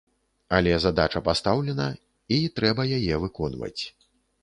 Але задача пастаўлена, і трэба яе выконваць.